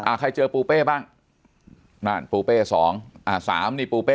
ใครเจอปูเป้บ้างนั่นปูเป้สองอ่าสามนี่ปูเป้